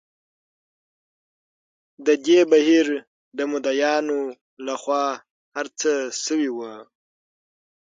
د دې بهیر د مدعییانو له خوا هر څه شوي وو.